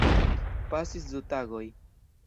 Pasis du tagoj.